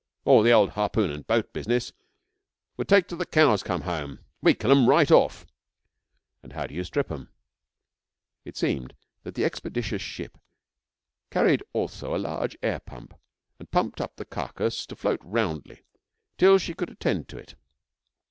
'All the old harpoon and boat business would take till the cows come home. We kill 'em right off.' 'And how d'you strip 'em?' It seemed that the expeditious ship carried also a large air pump, and pumped up the carcass to float roundly till she could attend to it.